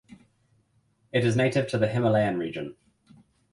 It is native to the Himalayan region.